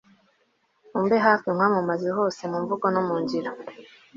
umbe hafi nkwamamze hose mu mvugo no mu ngiro